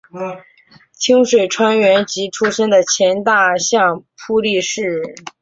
清水川元吉出身的前大相扑力士。